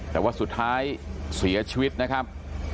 แต่ว่าสุดท้ายเสียชีวิตนะครับ